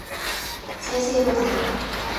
再生ボタン